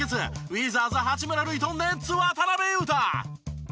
ウィザーズ八村塁とネッツ渡邊雄太。